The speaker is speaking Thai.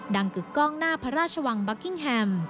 กึกกล้องหน้าพระราชวังบัคกิ้งแฮม